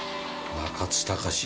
中津隆志。